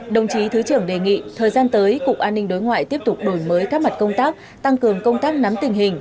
đồng chí thứ trưởng đề nghị thời gian tới cục an ninh đối ngoại tiếp tục đổi mới các mặt công tác tăng cường công tác nắm tình hình